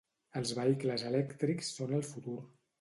Els vehicles elèctrics són el futur.